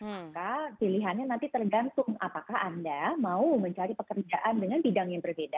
maka pilihannya nanti tergantung apakah anda mau mencari pekerjaan dengan bidang yang berbeda